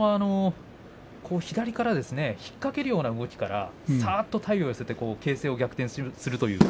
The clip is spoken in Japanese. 左から引っ掛けるような動きから、さっと体を寄せて形勢逆転するという。